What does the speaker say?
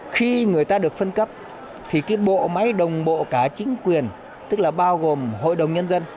khi người ta được phân cấp thì cái bộ máy đồng bộ cả chính quyền tức là bao gồm hội đồng nhân dân